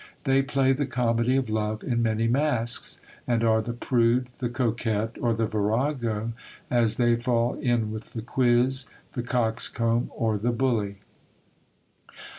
They play the comedy of love in many masks ; and are the prude, the coquette, Or the virago, as they fall in with the quiz, the coxcomb, or the bully.